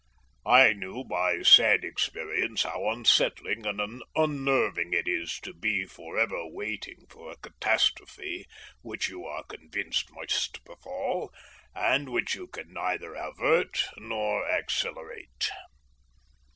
I knew by sad experience how unsettling and unnerving it is to be for ever waiting for a catastrophe which you are convinced must befall, and which you can neither avert nor accelerate.